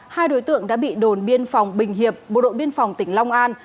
hai đối tượng đã bị đồn biên phòng bình hiệp bộ đội biên phòng tỉnh long an